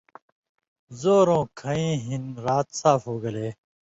زورؤں کھیَیں ہِن رات صاف ہوگلے